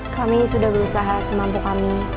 kami sudah berusaha semampu kami